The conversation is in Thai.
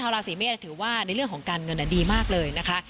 ราศีเมษถือว่าในเรื่องของการเงินดีมากเลยนะคะ